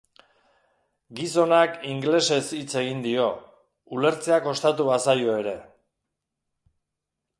Gizonak ingelesez hitz egin dio, ulertzea kostatu bazaio ere.